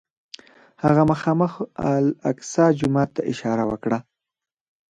هغه مخامخ الاقصی جومات ته اشاره وکړه.